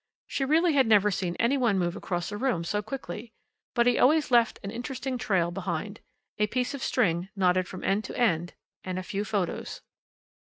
She really had never seen any one move across a room so quickly. But he always left an interesting trail behind: a piece of string knotted from end to end and a few photos.